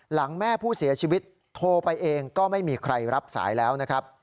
หลังแม่ผู้เสียชีวิตโทรไปเองก็ไม่มีใครรับสายแล้วนะครับ